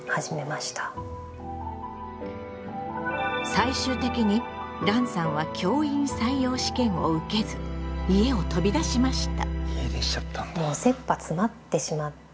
最終的にランさんは教員採用試験を受けず家を飛び出しました。